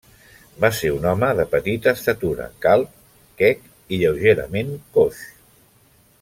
Va ser un home de petita estatura, calb, quec i lleugerament coix.